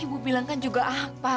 ibu bilang kan juga apa